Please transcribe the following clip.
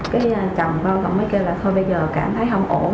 cái chồng con mới kêu là thôi bây giờ cảm thấy không ổn rồi